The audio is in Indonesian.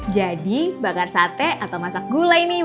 jadi bakar sate atau masak gulai nih bapak ibu